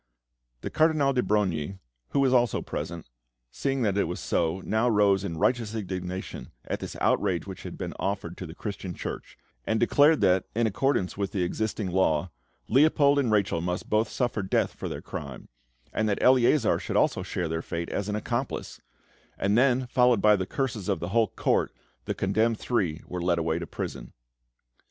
The Cardinal de Brogni, who was also present, seeing that this was so, now rose in righteous indignation at this outrage which had been offered to the Christian Church, and declared that, in accordance with the existing law, Leopold and Rachel must both suffer death for their crime, and that Eleazar should also share their fate as an accomplice; and then, followed by the curses of the whole Court, the condemned three were led away to prison.